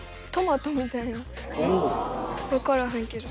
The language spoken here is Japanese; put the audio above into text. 分からへんけど。